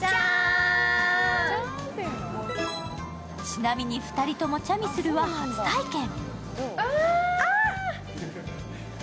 ちなみに２人ともチャミスルは初体験。